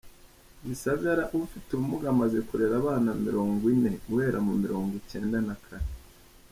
Gisagara Ufite ubumuga amaze kurera abana mirongwine guhera mu mirongwicyenda nakane